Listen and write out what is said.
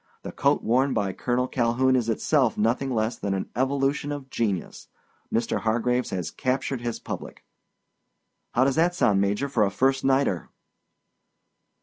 The coat worn by Colonel Calhoun is itself nothing less than an evolution of genius. Mr. Hargraves has captured his public.' "How does that sound, Major, for a first nighter?"